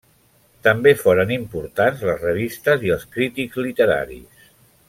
També foren importants les revistes i els crítics literaris.